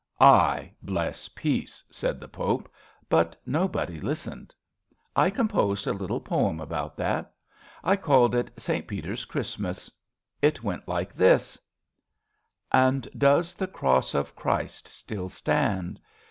"/ bless Peace," said the Pope ; but nobody listened. I composed a little poem about that. I called it St. Peter's Christmas. It went like this :— And does the Cross of Christ still stand?